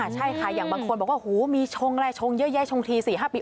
ใช่ค่ะอย่างบางคนบอกว่าหูมีชงลายชงเยอะแยะชงที๔๕ปี